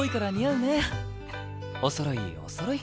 おそろいおそろい！